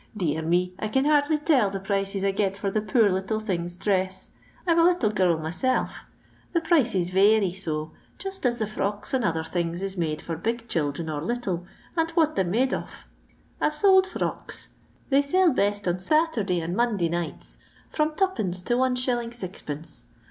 Dear me, I can hardly tell the prices I get for the poor little things' dress — I *ve a little girl myself — the prices vary so, just as the frocks and other things is made for big children or little, and what they *re made o£ I 've sold frocks — they sell best on Satuiday and LONDON LABOUR AND THE LONDON POOR. 45 Mondaj nighU ^from M» to It.